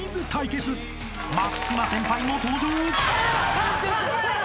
［松嶋先輩も登場］